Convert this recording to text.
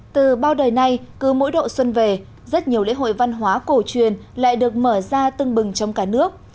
từ bao đời nay cứ mỗi độ xuân về rất nhiều lễ hội văn hóa cổ truyền lại được mở ra tưng bừng trong cả nước